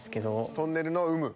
トンネルの有無。